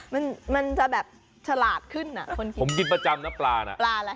มันมันจะแบบฉลาดขึ้นอ่ะผมกินประจำนักปลาน่ะปลาร่ะ